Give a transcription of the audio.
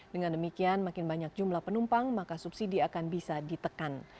dengan demikian makin banyak jumlah penumpang maka subsidi akan bisa ditekan